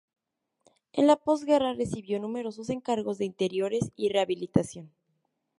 En la postguerra recibió numerosos encargos de interiorismo y rehabilitación.